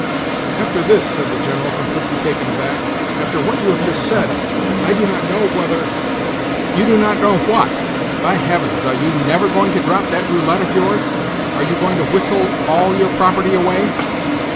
"After this," said the General, completely taken aback, "—after what you have just said, I do not know whether—" "You do not know what? By heavens, are you never going to drop that roulette of yours? Are you going to whistle all your property away?"